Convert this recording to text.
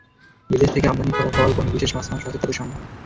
বিদেশ থেকে আমদানি করা ফল, পনির, বিশেষ মাছ-মাংস আছে তাঁদের সম্ভারে।